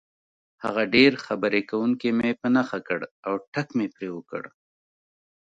هغه ډېر خبرې کوونکی مې په نښه کړ او ټک مې پرې وکړ.